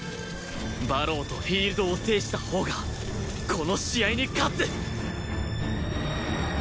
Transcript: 馬狼とフィールドを制したほうがこの試合に勝つ